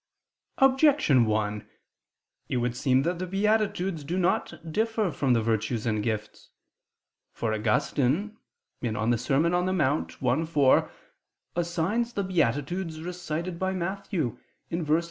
Objection 1: It would seem that the beatitudes do not differ from the virtues and gifts. For Augustine (De Serm. Dom. in Monte i, 4) assigns the beatitudes recited by Matthew (v 3, seqq.)